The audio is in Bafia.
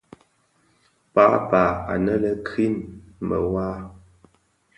Paapaa anë lè Krine mawar.